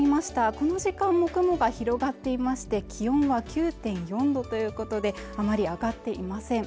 この時間も雲が広がっていまして気温は９．４度ということであまり上がっていません